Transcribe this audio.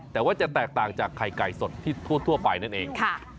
แต่ว่าจะแตกต่างจากไข่ไก่สดที่ทั่วไปนั่นเอง